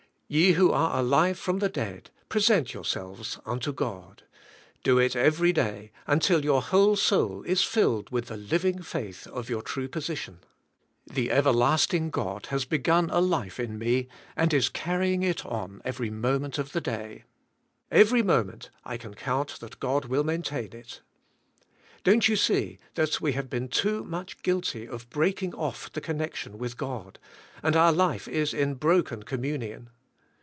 Ye who are alive from the dead, present yourselves unto God; do it every day until your whole soul is filled with the living faith of your true position. The everlasting God has be gun a life in me, and is carrying it on every moment of the day; every moment I can count that God will 200 THK SPIRITUAL LIFK. maintain it. Don't you see that we have been too much g'uilty of breaking* off the connection with God, and our life is in broken communion